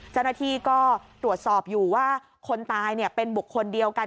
เจ้าหน้าที่ก็ตรวจสอบอยู่ว่าคนตายเป็นบุคคลเดียวกัน